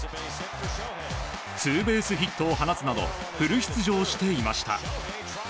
ツーベースヒットを放つなど、フル出場していました。